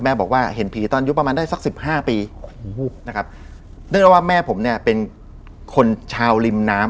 บอกว่าเห็นผีตอนอายุประมาณได้สักสิบห้าปีโอ้โหนะครับเนื่องแล้วว่าแม่ผมเนี่ยเป็นคนชาวริมน้ำ